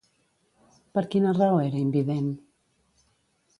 Per quina raó era invident?